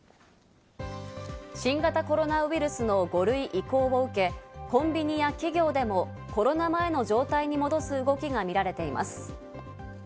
新型コロナウイルスの５類移行を受け、コンビニや企業でもコロナ前の状態に戻す動きがみられています。